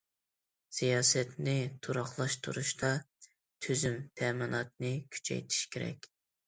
سىياسەتنى تۇراقلاشتۇرۇشتا، تۈزۈم تەمىناتىنى كۈچەيتىش كېرەك.